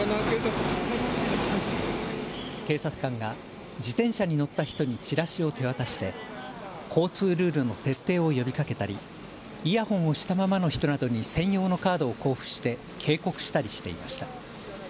警察官が自転車に乗った人にチラシを手渡して交通ルールの徹底を呼びかけたりイヤホンをしたままの人などに専用のカードを交付して警告したりしていました。